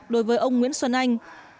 đối với ông nguyễn xuân anh